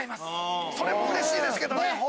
それもうれしいですけどね。